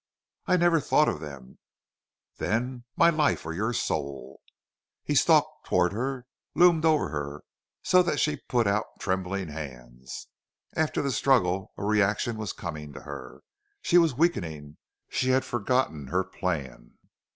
"I never thought of them." "Then my life or your soul!" He stalked toward her, loomed over her, so that she put out trembling hands. After the struggle a reaction was coming to her. She was weakening. She had forgotten her plan.